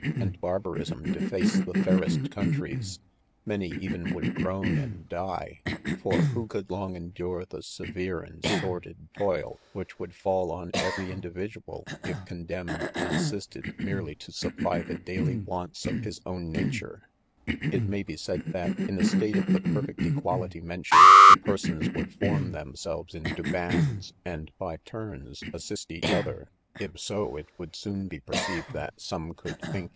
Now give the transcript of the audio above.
and' barbarism defatee tie fairest countries; many even would grown and' die j for who could loaf endure the severe and sordid toil which wouM fallen every individual* if condemui; mnmshiei,, .rmrily to supply the daily 'wants of his Gwn'iiMim I '" It may be saf^ that, in * state of the perfect equality mentioned^ persons would feba themselves 1 into bands, and, % turns, assist ' ea&fc «s&«f. ' If s% fe "would soon 'be 'perceived that 'ssme could think.